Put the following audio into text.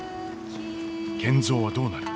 賢三はどうなる？